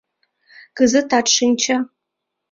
Кызытат шинча.